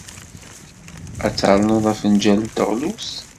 Ad ternuḍ afenjal n teɣlust?